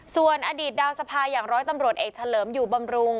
ส่วนอดีตดาวสภาอย่างร้อยตำรวจเอกเฉลิมอยู่บำรุง